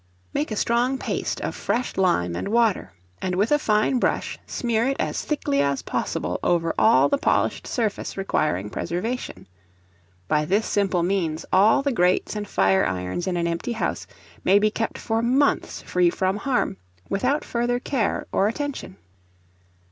Make a strong paste of fresh lime and water, and with a fine brush smear it as thickly as possible over all the polished surface requiring preservation. By this simple means, all the grates and fire irons in an empty house may be kept for months free from harm, without further care or attention.